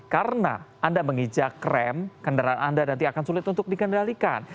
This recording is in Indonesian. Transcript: karena anda mengijak rem kendaraan anda nanti akan sulit untuk dikendalikan